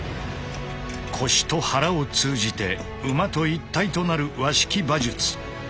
腰と肚を通じて馬と一体となる和式馬術。